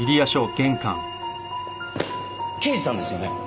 刑事さんですよね？